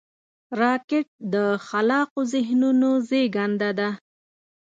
راکټ د خلاقو ذهنونو زیږنده ده